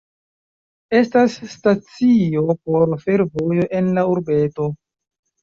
Estas stacio por fervojo en la urbeto.